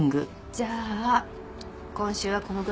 じゃあ今週はこのぐらいで。